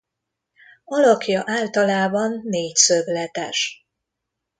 Alakja általában négyszögletes.